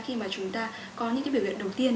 khi mà chúng ta có những cái biểu hiện đầu tiên